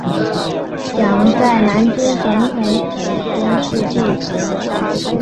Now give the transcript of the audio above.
蒋在南京总统府宣誓就职。